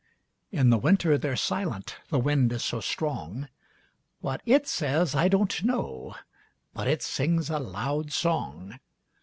In the winter they're silent the wind is so strong; What it says, I don't know, but it sings a loud song.